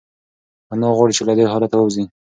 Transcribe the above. انا غواړي چې له دې حالته ووځي.